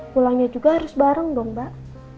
pulangnya juga harus bareng dong mbak